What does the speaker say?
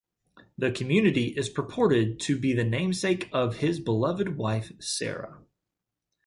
The community is purported to be the namesake of his beloved wife, Sara.